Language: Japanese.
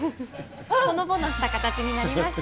ほのぼのした形になりました。